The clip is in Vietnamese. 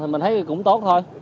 mình thấy cũng tốt thôi